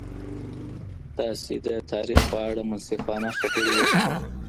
تاسې د تاریخ په اړه منصفانه خبري وکړئ.